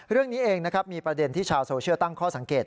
เรื่องนี้เองนะครับมีประเด็นที่ชาวโซเชียลตั้งข้อสังเกต